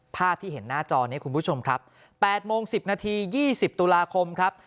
ภาพที่เห็นหน้าจอนี้คุณผู้ชมครับ๘โมง๑๐นาที๒๐ตุลาคมครับ